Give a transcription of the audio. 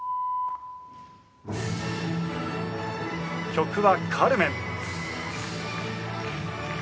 曲は『カルメン』。